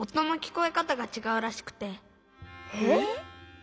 え！